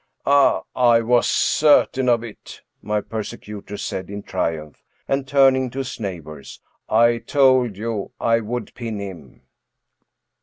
"Ah I I was certain of it," my persecutor said, in tri umph, and turning to his neighbors :" I told you I would pin him.